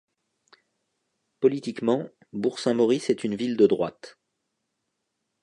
Politiquement, Bourg-Saint-Maurice est une ville de droite.